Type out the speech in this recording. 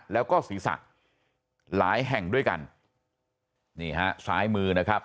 แล้วก็ศีรษะหลายแห่งด้วยกันนี่ฮะซ้ายมือนะครับ